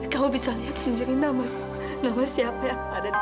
kamu bisa lihat sendiri nama siapa yang ada di sini